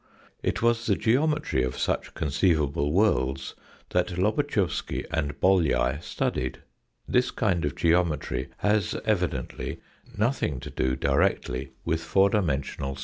It was the geometry of such conceivable worlds that Lobatchewsky and Bolyai studied. This kind of geometry has evidently nothing to do directly with four dimensional space.